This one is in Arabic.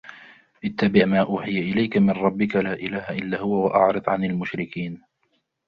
اتبع ما أوحي إليك من ربك لا إله إلا هو وأعرض عن المشركين